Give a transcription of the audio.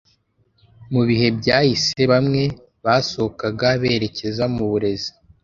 Mu bihe byahise bamwe basohokaga berekeza mu burezi